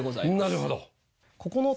なるほど。